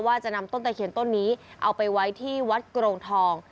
ว่าจะนำต้นตะเคียนต้นนี้เอาไปไว้ที่วัดกรงทอง